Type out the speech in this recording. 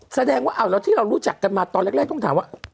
แสดงว่าแล้วที่เรารู้จักกันมาตอนแรกต้องถามว่า